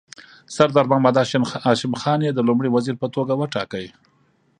سردار محمد هاشم خان یې د لومړي وزیر په توګه وټاکه.